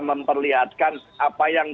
memperlihatkan apa yang